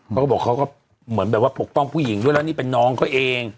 เขาก็บอกเขาก็เหมือนแบบว่าปกป้องผู้หญิงด้วยแล้วนี่เป็นน้องเขาเอง